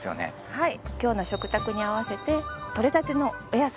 はい。